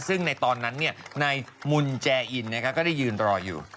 ซึ่งในตอนนั้นนายมุนแจอินก็ได้ยืนรออยู่